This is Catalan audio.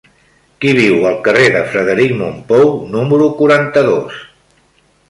Qui viu al carrer de Frederic Mompou número quaranta-dos?